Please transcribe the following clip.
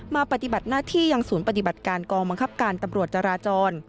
ปฏิบัติหน้าที่ยังศูนย์ปฏิบัติการกองบังคับการตำรวจจราจร